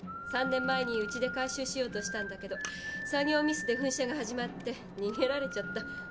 ３年前にうちで回収しようとしたんだけど作業ミスで噴射が始まってにげられちゃった。